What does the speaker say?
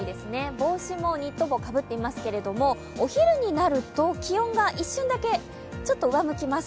帽子もニット帽、かぶっていますけどお昼になると気温が一瞬だけちょっと上向きます。